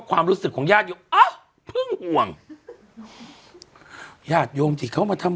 ความรู้สึกของญาติโยมอ้าวเพิ่งห่วงญาติโยมที่เขามาทำ